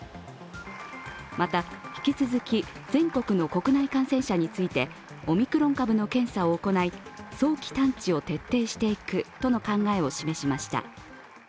また、引き続き全国の国内感染者についてオミクロン株の検査を行い早期探知を徹底していくとの考えを示しました。